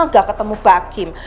gak ketemu bakim